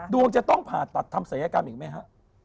ดวงจะต้องผ่าตัดทำศัยกรรมอีกไหมฮะ